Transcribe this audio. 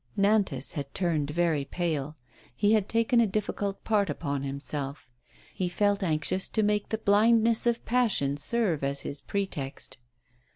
Nantas had turned very pale. He had taken a diffi cult part upon himself. He felt anxious to make the blindness of passion serve as his pretext.